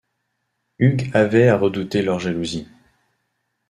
Hugues avait à redouter leur jalousie.